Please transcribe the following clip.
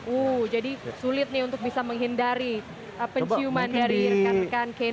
uh jadi sulit nih untuk bisa menghindari penciuman dari rekan rekan kan